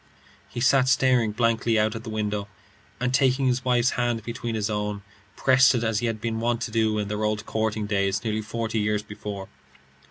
He sat staring blankly out at the window, and taking his wife's hand between his own, pressed it as he had been wont to do in their old courting days nearly forty years before.